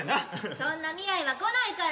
そんな未来は来ないから。